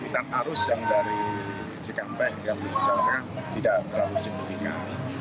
pantitan arus yang dari ckmp yang disuruh jawa tengah tidak terlalu signifikan